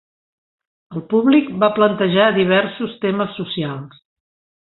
El públic va plantejar diversos temes socials.